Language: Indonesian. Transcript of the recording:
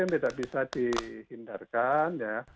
yang tidak bisa dihindarkan